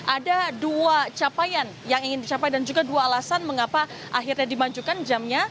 ada dua capaian yang ingin dicapai dan juga dua alasan mengapa akhirnya dimajukan jamnya